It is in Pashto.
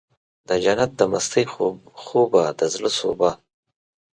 دجنت د مستۍ خوبه د زړه سوبه